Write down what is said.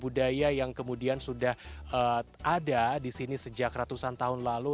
budaya yang kemudian sudah ada di sini sejak ratusan tahun lalu